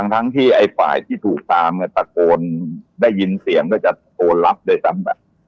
ทั้งที่ไอ้ฝ่ายที่ถูกตามตะโกนได้ยินเสียงก็จะโกนรับด้วยซ้ำไป